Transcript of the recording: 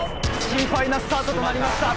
心配なスタートとなりました。